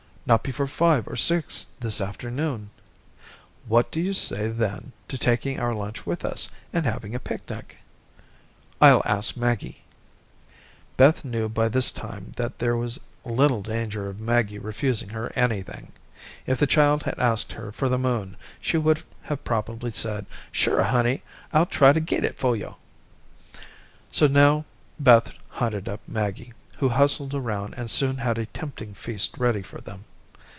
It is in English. "Not before five or six this afternoon." "What do you say then to taking our lunch with us, and having a picnic?" "I'll ask Maggie." Beth knew by this time that there was little danger of Maggie refusing her anything. If the child had asked her for the moon she would probably have said, "Shure, honey, I'll try to git it for yo'." So now Beth hunted up Maggie, who hustled around and soon had a tempting feast ready for them.